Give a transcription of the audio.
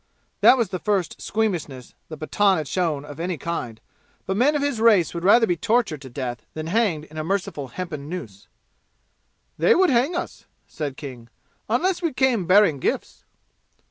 That was the first squeamishness the Pathan had shown of any kind, but men of his race would rather be tortured to death than hanged in a merciful hempen noose. "They would hang us," said King, "unless we came bearing gifts."